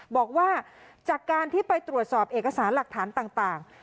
บอกว่าจากการที่ไปตรวจสอบเอกสารหลักฐานต่าง